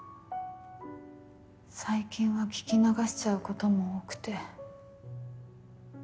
最近は聞き流しちゃうことも多くて。